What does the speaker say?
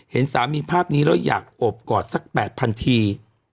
เห็นสามีภาพนี้แล้วอยากโอบกอดสัก๘๐๐ที